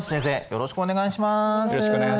よろしくお願いします。